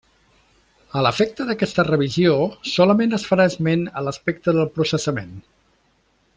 A l'efecte d'aquesta revisió, solament es farà esment a l'aspecte del processament.